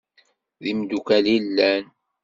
D imdukal i llan?